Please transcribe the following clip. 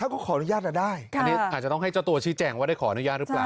อันนี้อาจจะต้องให้เจ้าตัวชี้แจ่งว่าได้ขอนุญาตรึเปล่า